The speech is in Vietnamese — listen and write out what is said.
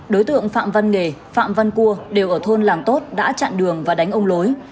đối tượng phạm văn nghề phạm văn cua đều ở thôn làng tốt đã chặn đường và đánh ông lối